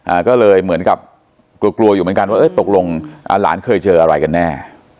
อ่าก็เลยเหมือนกับกลัวกลัวอยู่เหมือนกันว่าเอ๊ะตกลงอ่าหลานเคยเจออะไรกันแน่